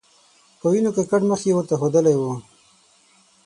په وینو ککړ مخ یې ورته ښودلی و.